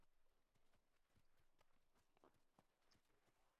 En el principio crió Dios los cielos y la tierra.